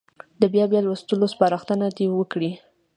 د بیا بیا لوستلو سپارښتنه دې وکړي.